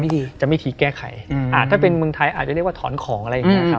และวันนี้แขกรับเชิญที่จะมาเยี่ยมในรายการสถานีผีดุของเรา